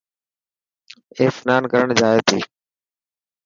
اي سنان ڪرڻ جائي تي.